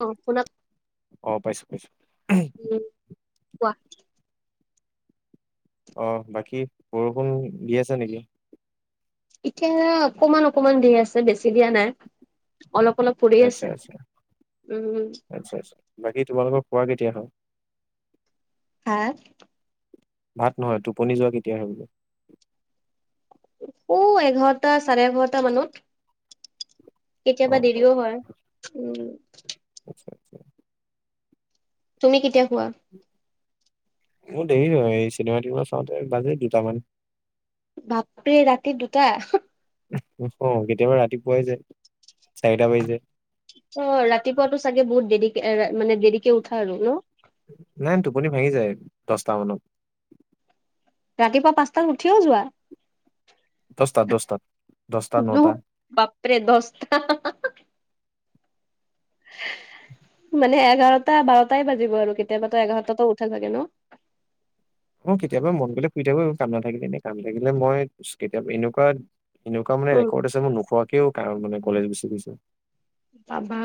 অ পুনা- অ পাইছো, পাইছো। উম কোৱা? অ বাকী বৰষুণ দি আছে নেকি? এতিয়া অকমান অকমান দি আছে বেছি দিয়া নাই, অলপ অলপ। পৰি আচ্ছা আছে আচ্ছা, উম আচ্ছা আচ্ছা বাকী তোমালোকক খোৱা কেতিয়া হ'ল? হা। ভাত নহয় টোপনি যোৱা কেতিয়া আহে বোলে? অ এঘাৰটা চাৰে এঘাৰটা মানত। অ কেতিয়াবা অ দেৰিও হয়, উম। আচ্ছা আচ্ছা তুমি কেতিয়া শুৱা? মোৰ দেৰি হয় এই চিনেমা টিনেমা চাওঁতে বাজে দুটামান। বাপৰে ৰাতি দুটা। অ কেতিয়াবা ৰাতিপুৱাই যায়, চাৰিটা বাজি যায়। ত ৰাতিপুৱাতটো চাগে বহুত দেৰিকে মানে দেৰিকে উঠা আৰু ন। নাই ন টোপনি ভাঙি যায় দহটা মানত- ৰাতিপুৱা পাঁচটাত উঠিও যোৱা। দস্তাত দস্তাত ন বাপৰে দহটা - মানে এঘাৰটা বাৰটাই বাজিব আৰু কেতিয়াবাতো এঘাৰটাত উঠা ছাগে ন অ কেতিয়াবা মন গলে শুই থাকো কাম নাথাকিলে এনে কাম থাকিলে মই কেতিয়াবা এনেকুৱা এনেকুৱা মানে উম ৰেকৰ্ড আছে মোৰ নোখোৱাকেও কাৰত মানে কলেজ গুচি গৈছে। পাবা।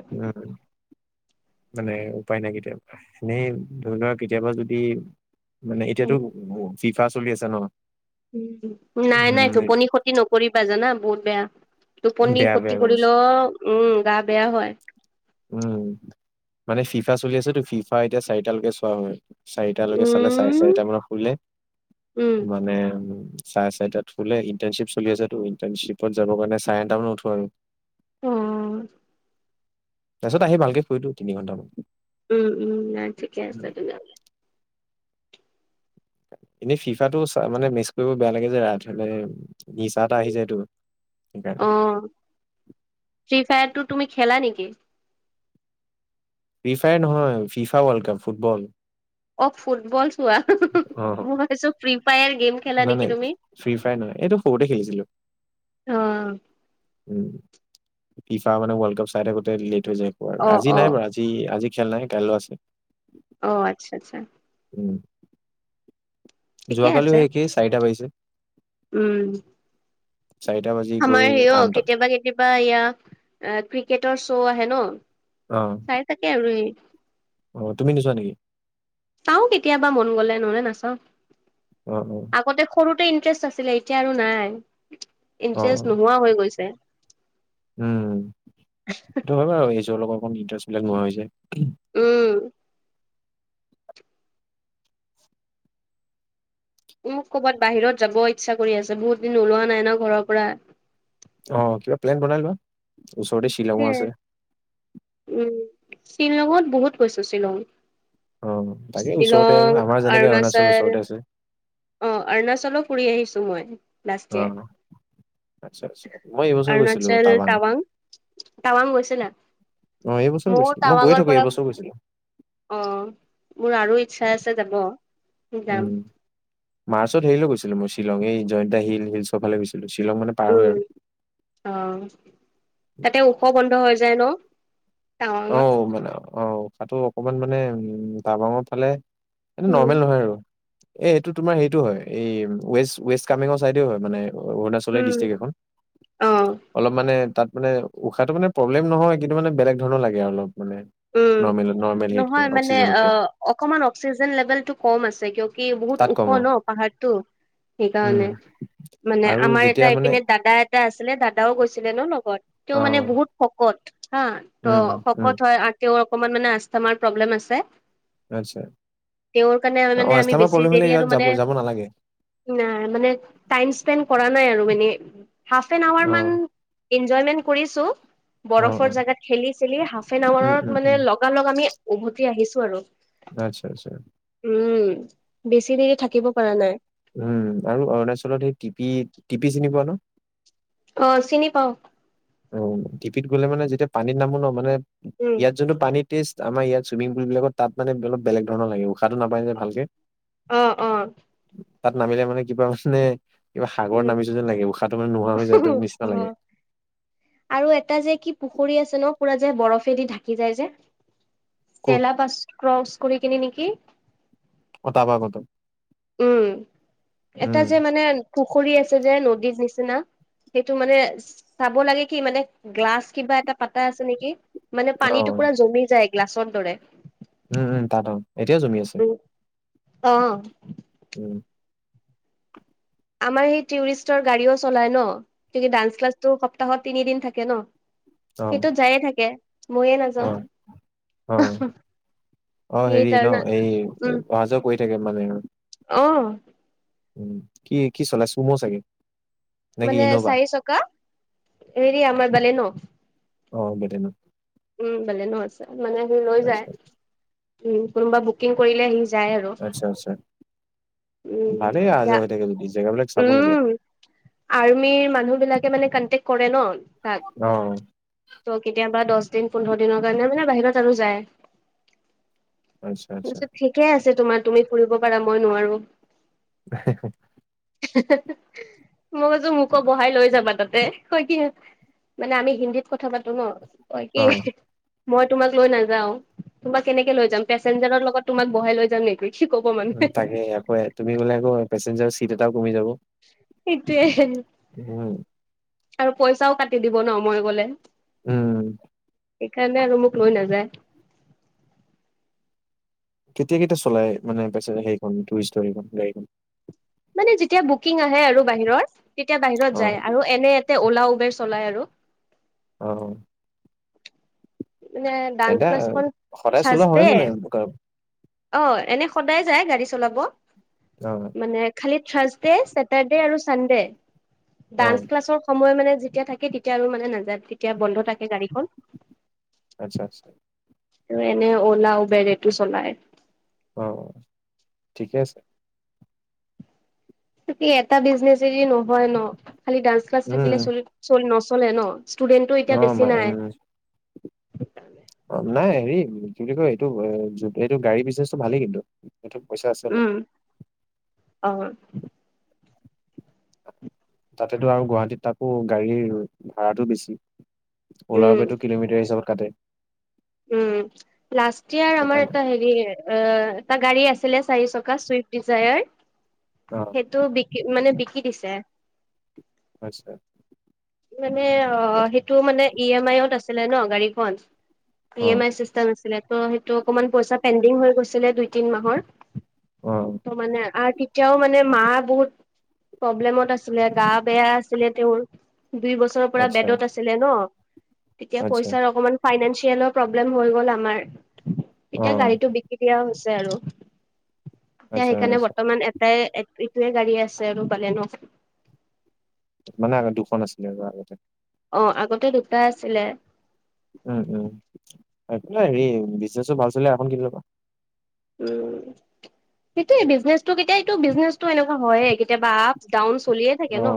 [unintelligible] মানে উপায় নাই কেতিয়াবা এনেই ধৰি লোৱা কেতিয়াবা যদি মানে উম এতিয়াতো ফিফা চলি আছে ন। উম নাই নাই টোপনি খতি নকৰিবা জানা বহুত বেয়া। টোপনি বেয়া খতি বেয়া গম পাইছো। কৰিলেও উম গা বেয়া হয়। উম মানে ফিফা চলি আছে তো, ফিফা এতিয়া চাৰিটালৈকে চোৱা হয়। চাৰিটালৈকে চালে চাৰে উম চাৰিটা মানত শুলে উম মানে উ- চাৰে চাৰেটাত খুললে ইণ্টাৰণশ্বিপ চলিছে ইণ্টাৰণশ্বিপত যাব কাৰে চাৰে এটা মান উঠো আৰু অঁ তাৰপাছত আহি ভালকে ফুৰি তিনি ঘন্টামান উম উম ন ঠিকে আছে উম, তেন্তে - এনেই ফিফাটো মানে মেচ কৰিব বেয়া লাগে যে ৰা হলে। নিচা এটা আহিছে এইটো, সেইকাৰণে অ ফ্ৰী ফায়াৰ টো তুমি খেলা নেকি। ফিফাই নহয় ফিফা ৱৰ্ল্ড কাপ ফুটবল। অ ফুটবল চোৱা অ মই ভাবিছো ফ্ৰ্ৰী ফায়াৰ গেম। খেলা নাই নেকি নাই তুমি ফ্ৰী ফায়াৰ নহয় এইটো সৰুতে খেলিছিলো। অ উম, ফিফা মানে ৱৰ্লড কাপ চাই থাকোঁতে লেট হৈ যায় একব আৰু অ আজি অ নাই বাৰু আজি আজি খেল নাই কাইলৈ আছে। অঁ আচ্ছা আচ্ছা। উম, ঠিকে যোৱাকালিও আছে সেই একেই চাৰিটা বাজিছে। উম চাৰিটা বাজি আমাৰ গৈ হে অ আঠটা কেতিয়াবা কেতিয়াবা ইয়া ক্ৰিকেটৰ শ্ব' আহে ন। অঁ চাই থাকে আৰু এই- অ, তুমি নিছোৱা নেকি। চাওঁ কেতিয়াবা মন গলে নহলে নাচাওঁ, অ অ আগতে- সৰুতে ইণ্টাৰেষ্ট আছিলে, এতিয়া আৰু নাই অ অ। ইণ্টাৰেষ্ট নোহোৱা হৈ গৈছে। উম সটো হয় বাৰ এইযোৰৰ লগত অকমান ইণ্টাৰেষ্টবিলাক নোহোৱা হৈ হৈছে উম মোক ক'ৰবাত বাহিৰত যাব ইচ্ছা কৰি আছে বহুত দিন ওলোৱা নাই ন ঘৰৰ পৰা। অ কিবা প্লেন বনাই লোৱা ওচৰতে শ্বিলং সেইটোৱে আছে। উম, শ্বিলঙত বহুত গৈছো শ্বিলং। অ তাকে ওচৰতে আৰু আমাৰ যেনেকে অৰুণাচল ওচৰতে আছে। অ অৰুণাচলো ফুৰি আহিছো মই। অ লাষ্ট ইয়াৰ আচ্ছা আচ্ছা মই এইবছৰ গৈছিলো অৰুণাচল টাৱাং টাৱং। টাৱাং গৈছিলা? অ এইবছৰ মোৰ গৈছিলো মই গৈ টাৱাঙৰ থাকো পৰা এইবছৰ গৈছিলো। অ মোৰ আৰু ইচ্ছা আছে যাব উম যাম। মাৰ্চত হেৰিলৈ গৈছিলো মই শ্বিলং এই জয়ন্ত হিলৰ ফালে গৈছিলো শ্বিলং মানে। পাৰ হৈ উম আৰু অ তাতে ওখ বন্ধ হৈ যায় ন। অ, টাৱাঙত মানে অ, সাটো অকমান মানে উম, টাবাঙৰ ফালে এটো উম নৰ্মেল নহয় আৰু। এ-এইটো তোমাৰ হেইটো হয় এই ৱেষ্ট - ৱেষ্ট কামেঙৰ চাইডে হয় মানে। অৰুণাচল উম ডিষ্ট্ৰিক্ট এখন। অ অলপ মানে তাত মানে উশাহটো মানে প্ৰব্লেম নহয় কিন্তু মানে বেলেগ ধৰণৰ লাগে আৰু অলপ মানে। উম নৰ্মেল নৰ্মেল হেৰিতকে নহয় মানে অ অক্সিজেনতকে অকমান অক্সিজেন লেভেল টো কম আছে কিয়। কি বহুত তাত ওখ কম ন আৰু পাহাৰতটো। উম সেইকাৰণে, মানে আৰু আমাৰ যেতিয়া এটা মানে ইপিনে দাদাই- তা আছিলে দাদাও গৈছিলে ন লগত তেওঁ মানে অ' বহুত শকত হা ত উম উম শক- উম কত হয় আৰু তেওঁৰ অকমান মানে আস্থামাৰ প্ৰব্লেম আছে। ড় আচ্ছা তেওঁৰ কাৰণে অ' মানে আমি আস্থামাৰ বেছি প্ৰব্লেম হ'লে দেৰি ইয়াত আৰু যাব মানে যাব নালাগে ন মানে টাই স্পেণ্ড কৰা নাই আৰু মানে হাফ এন আৱাৰ মান অ' এনজয়মেন্ট কৰিছো অ' অ' বৰফৰ জেগাত খেলি চেলি হাফ এন উম আৱাৰৰ উম উম লগা লগ আমি উভতি আহিছো আৰু। আচ্ছা-আচ্ছা। উম, বেছি দেৰি থাকিব পৰা নাই। উম, আৰু অৰুণাচলত সেই টিপি - টিপি চিনি পোৱা ন? অ, চিনি পাও। অ, টিপিত গলে মানে যেতিয়া পানী নামো ন মানে উম, ইয়াত যোনটো পানীৰ টেষ্ট আমাৰ ইয়াৰ ছুইমিং পুলবিলাক তাত মানে অলপ বেগ ধৰণৰ লাগিব। শাটো নাপায় যে ভালকে অ', অ', তাত নামিলে মানে কিবা মানে কিবা সাগৰ উম, নামি যদি লাগে উশাহটো মানে নোহোৱা হৈ যায় তটো নিচিনা লাগে। অ', আৰু এটা যে কি পুখুৰী আছে ন পুৰা যে বৰফেদি ঢাকি যায় যে? ক'ত? চেলা পাচ ক্ৰছ কৰি কিনি নেকি? কতাবাকত উম, এটা যে মানে পুখুৰী আছে যে নদীৰ নিচিনা। সেইটো মানে চাব লাগে কি মানে গ্লাছ কিবা এটা পাতা আছে নেকি? মানে পানীটো অ'। পুৰা জমি যায় গ্লাছৰ দৰে উম-উম তাত এতিয়াও জুমি আছে। অহ', উম, আমাৰ সেই টুৰিষ্টৰ গাড়ীও চলাই ন কি ডান্স ক্লাছটো সপ্তাহত তিনিদিন থাকে ন। অ', সেইটোত যায়ে থাকে মইয়ে নাযাও। অ', অ'। অ, হেৰি ন এই উম অহা যোৱা কৰি থাকে মানে। অ', উম, কি - কি চলাই চোম চাগে। নে কি মানে ইন'ভা? চাৰি চকা হেৰি, আমাৰ বালে ন। অ, বেলেগৰ। উম, বেলেনো আছে মানে সি লৈ আচ্ছা। যায়, উম, কোনোবা বুকিং কৰিলে আহি যায় আৰু। আচ্ছা আচ্ছা উম ভালেই অহ ইয়া যোৱা হৈ থাকে যদি জেগা বিলাক চাব লাগে। উম আৰ্মিৰ মানুহ বিলাকে মানে কনটেক কৰে ন অ, তাত। ত' কেতিয়াবা দস দিন, পোন্ধৰ দিনৰ কাৰণে মানে বাহিৰত আৰু যায়। আচ্ছা আচ্ছা তাৰত ঠিকে আছে তোমাৰ তুমি ফুৰিব পাৰা মই নোৱাৰো। হে - হে [unintelligible] হে - হে মই কৈছো মোকো বহাই লৈ যাবা তাতে হয় কি মানে আমি হিন্দীত কথা পাতো ন তই কি উম মই তোমাক লৈ নাযাও। তোমাক কেনেকে লৈ যাম পেচেঞজাৰৰ লগত তোমাক বহাই লৈ যাম নেকি? কি ক'ব মানুহে? য়াকৌ [unintelligible] তুমি গ'লে আকৌ পেচেঞ্জাৰ চিত এটাও কমি যাব। সেইটোৱে হে, হে। উম [unintelligible] আৰু পইচাও কাটি দিব ন মই গলে? উম এইকাৰণ নে আৰু মোক লৈ নাযায়। কেতিয়া - কেতিয়া চলাই মানে প হখন টুৰিষ্টৰ সেই গাড়ীখন। মানে যেতিয়া বুকিং আহে আৰু বাহিৰত তেতিয়া অ বাহিৰত যায় আৰু এনে এতে অলা উবেৰ চলাই আৰু। অ', মানে ডান্স তেন্তে ক্লাছখন সদায় চলোৱা হয় থাৰ্চডে। মানে অ এনে সদায় যায় গাড়ী চলাব? অ [unintelligible] মানে থাছ দে, চেতাৰ দে আৰু ছানদে অ ডান্স ক্লাছত যায় সময় মানে যেতিয়া থাকে তেতিয়া আৰু মানে নাযায়, তেতিয়া বন্ধ থাকে গাড়ীখন। আচ্ছা আচ্ছা। এনে অওলা, উবেৰ এইটো চলাই। অঁ ঠিকে আছ ত কি এটা বিজনেচ এৰি নহয় ন, খালি ডান্স ক্লাছ উম থাকিলে চল চল নচলে ন! ষ্টুডেণ্টটো অ এতিয়া মা বেছি উম নাই! [unintelligible] অ নাই হেৰি, কি বুলি কয় এইটো এইটো গাড়ী বিজনেচটো ভালেই কিন্তু এইটো পইচা আছে অলপ। উম অ [unintelligible] তাতেতো আৰু গুৱাহাটীত তাকো গাড়ীৰ ভাড়াটো বেছি। ওলা উম উবেৰ টো কিলোমিটাৰ হিচাপত কাটে। উম লাষ্ট ইয়াৰ আমাৰ সেইকাৰণে এটা হ তাৰ গাড়ী আছিলে চাৰি চকা চুইফ্ট ডিজায়াৰ অ, সেইটো বিকি মানে বিকি দিছে। আচ্ছা। মানে অ সেইটো মানে ই এম আইত আছিলে ন গাড়ীখন। E uh M I system আছিলে ত' সেইটো অকমান পইচা পেণ্ডিং হৈ গৈছিলে দুই তিন মাহৰ। অ। ত' মানে আৰু তেতিয়াও মানে মা বহুত প্ৰব্লেমত আছিলে গা বেয়া আছ তেওঁৰ দুই বছৰৰ পৰা আচ্ছা বেডত আছিলে ন! তেতিয়া আচ্ছা পইচাৰ অকমান ফাইনেঞ্চিয়েলৰ প্ৰব্লেম হৈ গল আমাৰ। অ এতিয়া গাড়ি টো দিয়া হৈছে আৰু এতিয়া আচ্ছা সেইকাৰণে আচ্ছা বৰ্তমান এ তাই ইটোৱে গাড়ী আছে আৰু বালে'নো মানে আগ দুখন আছিলে আৰু আগতে। অ আগতে দুটা আছিলে। উম উম। একোনাই হেৰি বিজনেচো ভাল চলিলে আৰু এখন কিনি লব। উম সেইটোয়ে বিজনেচটো কেতিয়া এইটো বিজনেছতো এনেকুৱা হয়য়ে, কেতিয়াবা আপ ডাউন চলিয়ে থাকে অ ন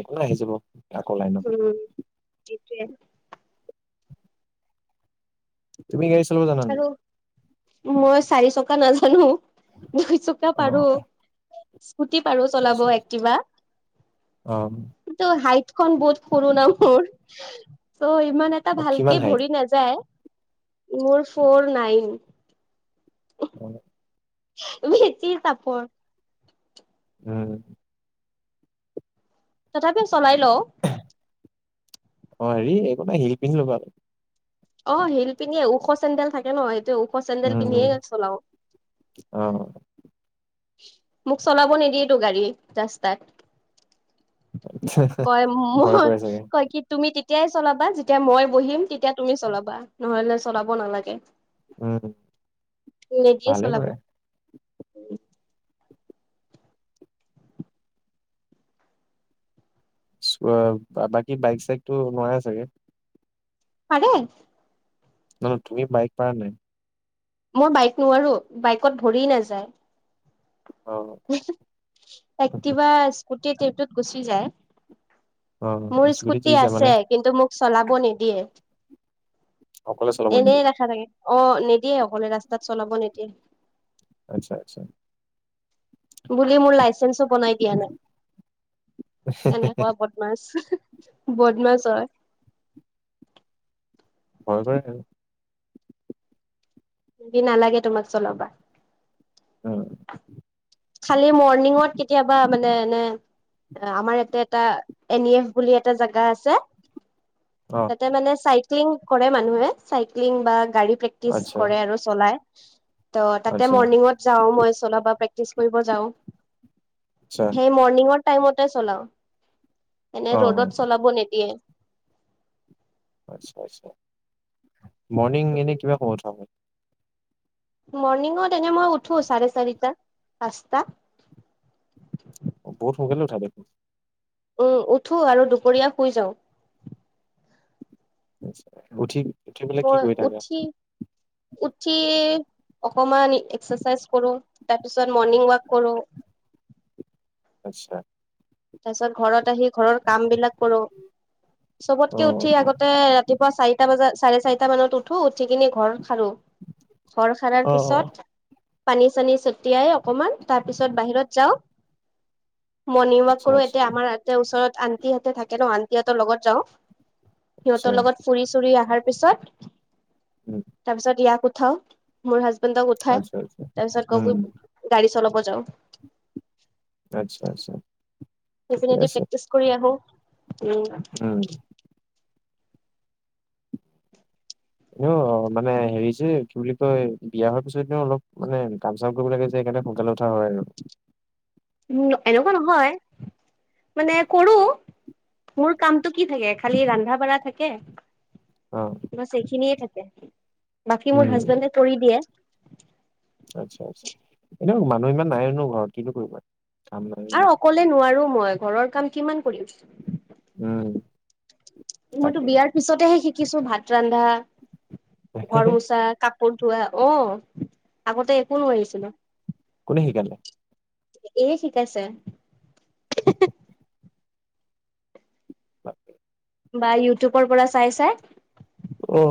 একো আহি যাব, আকৌ লাইনত। সেএইটোৱে। তুমি গাড়ী চলাব জানা না? আৰু মই চাৰি চকা নাজানো। দুই চকা অ পাৰো। স্কুটি পাৰো চলাব আচ্ছা এক্টিভা। অ হাইট খন বহুত সৰু না মোৰ ত' ইমান এটা অ কিমান ভালকে হাইট ভৰি নায যাই মোৰ ফৰ নাইন। উহু। বেতি চাপৰ উম। তথাপিও চলাই লওঁ। অ হেৰি একো নাই শিল পিন্ধি লবা ক। অ শিল পিন্ধিয়ে ওখ চেন্দেল থাকে ন সেইটোৱে ওখ চেন্দেল উম পিন্ধিয়ে উম চলাও। অ মোক চলাব নিদিয়েতো গাড়ী 'ৰাস্তাত। কয় ভয় মই কৰে চাগে কয় কি তুমি তেতিয়াই চলাবা, যেতিয়া মই বহিম তেতিয়া তুমি চলাবা, নহলে চলাব নালাগে। উম পলিটিয়ে ভালে চলাব। কৰে বাকী বাইক চাইক তটো নোৱাই চাগে। কাৰে। ন ন তুমি বাইক পাৰা নাই? মই বাইক নোৱাৰো বাইকত ভৰি নাযায়। অ। একতিবা স্কুটি তেটোত গুচি যায়। অ', মোৰ স্কুটি ত্ৰিশহাজাৰ মানে আছে কিন্তু মোক চলাব নিদিয়ে। অকলে চলাব এনে নিদিয়ে? ৰেখা থাকে, অ নিদিয়ে অকলে ৰাস্তাত চলাব নিদিয়ে। আচ্ছা আচ্ছা। বুলি মোৰ লাইচেঞ্চো বনাই দিয়া নাই, এনেকুৱা কথ- মাছ বদমাছ হয়। ভয় কৰে। যদি নালাগে তোমাক চলাবা উম। খালি মৰ্ণিঙত কেতিয়াবা মানে এনে আমাৰ ইয়াতে এটা এন ই এফ বুলি এটা জেগা আছে। অ', তাতে মানে চাইক্লিং কৰে মানুহে চাইক্লিং বা গাড়ী প্ৰেক্টিচ আচ্ছা, কৰে আৰু। চলাই ত তাতে আচ্ছা, মৰ্ণিংত যাও মই চলাব প্ৰেক্টিচ কৰিব যাও। ছা সেই মৰ্ণিঙৰ টাইমতে চলাও এনে অ', অ', ৰ'দত চলাব নেদিয়ে। [unintelligible] মৰ্ণিং এনে কিবা কমত উঠা হয়। মৰ্ণিঙত এনে মই উঠো চাৰে চাৰিটাত, পাঁচটা। বহুত শুনকালে উঠা দেখোন। উম উঠো আৰু দুপৰীয়া শুই যাওঁ। [unintelligible] উঠি উঠি পেলাই কি মই কৰি থাকা? উঠি উঠি অকমান এক্সাৰচাইজ কৰো তাৰপিছত মৰ্ণিং ৱাক কৰো। আত্চ্ছা। তাৰ পিছত ঘৰত আহি ঘৰৰ কাম বিলাক কৰোঁ। অ', চবতকে উঠি আগতে ৰাতিপুৱা চাৰিটা বজাত চাৰে চাৰিটা মানত উঠ- উঠো উঠি কিনি ঘৰ খাৰো ঘৰ সাৰাৰ অ', অ', পিছত পানী চানী ছটিয়াই অকমান তাৰ পিছত বাহিৰত যাও মণ- আচ্ছা, কৰো এতিয়া আচ্ছা, আমাৰ ইতে ওচৰত আন্তিহতে থাকে ন আন্তি হতৰ লগত যাওঁ। আচ্ছা, সিহঁতৰ লগত ফুৰি চুৰি অহাৰ পিছত উম, তাৰ পিছত ইয়াক উঠাও মোৰ হাজবেণ্ডক উঠাই আচ্ছা, আচ্ছা, তাৰপিছত উম, গগৈক। গাড়ী চলাব যাওঁ। আচ্ছা আচ্ছা। ঠিকে সেইফিনে দি আছে, প্ৰেক্টিচ কৰি আহো, উ। [unintelligible] এনেও অ মানে হেৰি যে কি বুলি কয় বিয়া হোৱাৰ পিছত এনে অলপ মানে কাম জাম্প কৰিব লাগে যে এইকাৰণে সোনকালে উঠা হয় আৰু উম এনেকুৱা নহয় মানে কৰো মোৰ কামতটো কি থাকে খালি ৰন্ধা বঢ়া থাকে অ বছ এইখিনিয়ে থাকে বাকী মোৰ উম, হাজবেণ্ডে কৰি দিয়ে। আচ্ছা আচ্ছা এনু মানুহ ইমান নাই নো ঘৰত কিনো কৰিব কাম নাই ইমান। ক'লে নোৱাৰো মই ঘৰৰ কাম কিমান কৰিম। উম। মইতো তাকে বিয়াৰ পিছতেহে শিকিছো ভাত ৰন্ধা, ঘৰ মোচা, কাপ- পোৰ ধোৱা অ আগতে একো নোৱাৰিছিলোঁ। কোনে শিকালে? এই শিকাইছে [unintelligible] তাকে বা ইউটিউবৰ পৰা চাই চাই অ